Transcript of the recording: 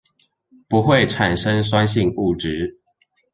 不會產生酸性物質